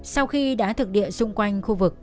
sau khi đã thực địa xung quanh khu vực